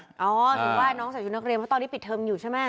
ถึงว่าน้องใส่ชุดนักเรียนเพราะตอนนี้ปิดเทอมอยู่ใช่ไหม